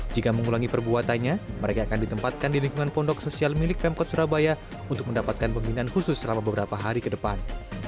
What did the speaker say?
jika mengulangi perbuatannya mereka akan ditempatkan di lingkungan pondok sosial milik pemkot surabaya untuk mendapatkan pembinaan khusus selama beberapa hari ke depan